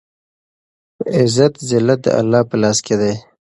عزت ذلت دالله په لاس کې دی